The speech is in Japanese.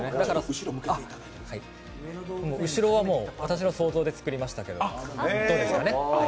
後ろは私の想像で作りましたけど、どうですかね？